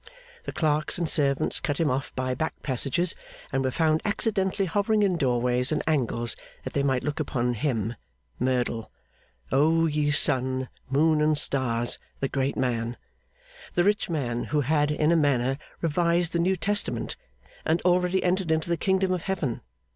The clerks and servants cut him off by back passages, and were found accidentally hovering in doorways and angles, that they might look upon him. Merdle! O ye sun, moon, and stars, the great man! The rich man, who had in a manner revised the New Testament, and already entered into the kingdom of Heaven.